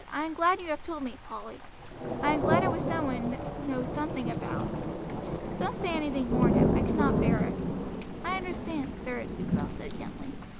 "I am glad you have told me, Polly. I am glad it was some one one knows something about. Don't say anything more now, I cannot bear it." "I understand, sir," the girl said gently.